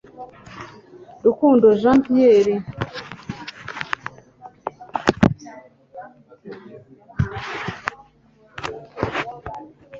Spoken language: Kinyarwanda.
RUKUNDO Jean Pierre